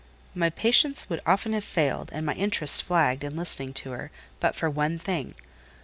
My patience would often have failed, and my interest flagged, in listening to her, but for one thing.